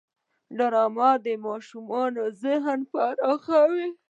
ډرامه د ماشومانو ذهن پراخوي